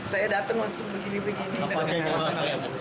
saya datang langsung begini begini